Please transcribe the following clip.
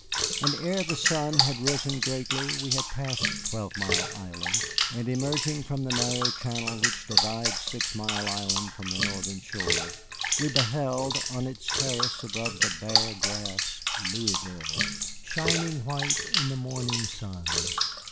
And ere the sun had risen greatly we had passed Twelve Mile Island, and emerging from the narrow channel which divides Six Mile Island from the northern shore, we beheld, on its terrace above the Bear Grass, Louisville shining white in the morning sun.